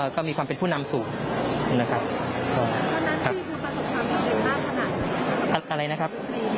ก็มีความเป็นผู้นำสูงนะครับ